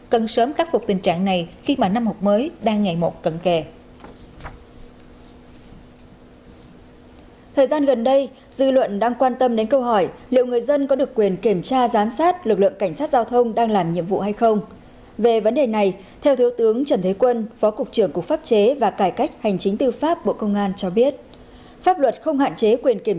cần sớm khắc phục tình trạng này khi mà năm học mới đang ngày một cận kề